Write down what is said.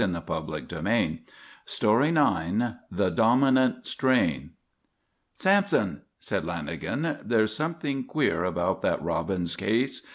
IX THE DOMINANT STRAIN IX THE DOMINANT STRAIN "Sampson," said Lanagan, "there's something queer about that Robbins case.